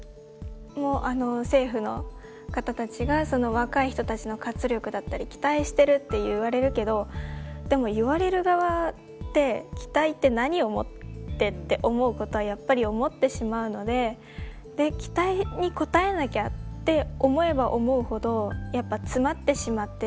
もうあの政府の方たちが若い人たちの活力だったり期待してるって言われるけどでも言われる側って期待って何をもってって思うことはやっぱり思ってしまうのでで期待に応えなきゃって思えば思うほどやっぱ詰まってしまって。